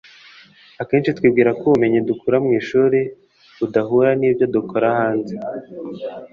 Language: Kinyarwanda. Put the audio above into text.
Akenshi twibwira ko ubumenyi dukura mu ishuri budahura n’ibyo dukora hanze,